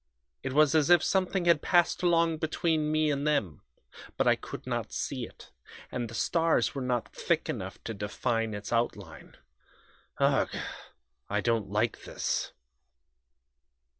It was as if something had passed along between me and them; but I could not see it, and the stars were not thick enough to define its outline. Ugh! I don't like this.